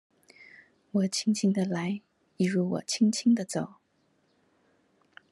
我輕輕地來一如我輕輕的走